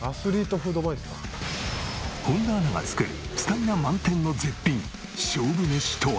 本田アナが作るスタミナ満点の絶品勝負飯とは？